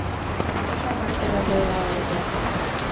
— Кочамат тыгак ойла ыле дыр...